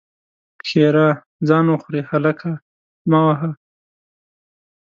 ښېرا: ځان وخورې؛ هلک مه وهه!